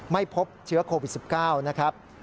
ไม่พบเชื้อโควิด๑๙นะครับ